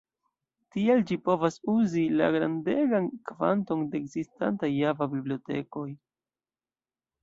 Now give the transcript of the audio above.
Tial ĝi povas uzi la grandegan kvanton de ekzistantaj Java-bibliotekoj.